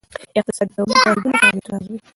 اقتصاد د تولیدي واحدونو فعالیتونه ارزوي.